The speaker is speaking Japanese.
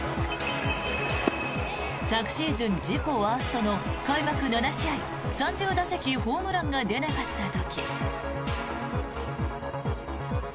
昨シーズン自己ワーストの開幕７試合３０打席ホームランが出なかった時。